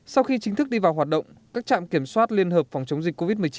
sau khi chính thức đi vào hoạt động các trạm kiểm soát liên hợp phòng chống dịch covid một mươi chín